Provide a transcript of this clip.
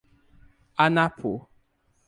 Anapu